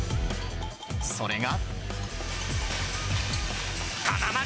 それが。